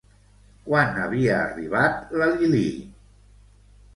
Quan havia arribat la Lilí?